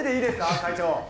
会長。